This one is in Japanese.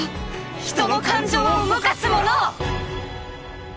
人の感情を動かすものを！